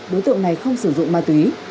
đối tượng này không sử dụng ma túy